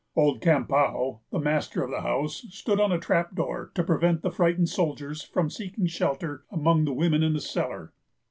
Old Campau, the master of the house, stood on a trap door to prevent the frightened soldiers from seeking shelter among the women in the cellar.